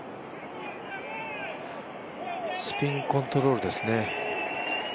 スピンコントロールですね。